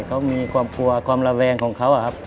เขามีความกลัวความระแวงของเขาครับ